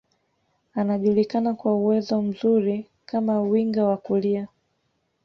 Anajulikana kwa uwezo mzuri kama winga wa kulia